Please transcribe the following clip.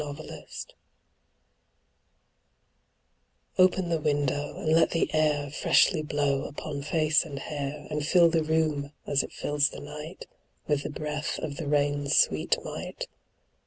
Nelson] OPEN the window, and let the air Freshly blow upon face and hair, And fill the room, as it fills the night, With the breath of the rain's sweet might.